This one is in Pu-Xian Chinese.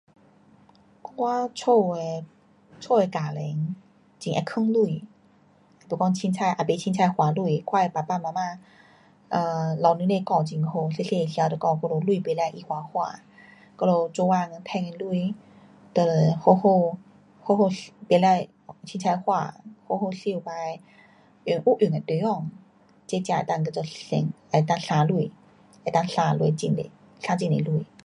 我家的，家的家庭很会藏钱。没讲随便，也不随便花钱，我的爸爸妈妈，um 父母亲教很好，小小的时候就教我们钱不可随花花。我们做工赚的钱，就好好，好好收，不可随便花，好好收起，用有用的地方。这才能够省，能够省钱。能够省的钱很多。省很多钱。